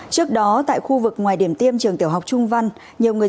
trước đó tại khu vực ngoài điểm tiêm trường tiểu học trung văn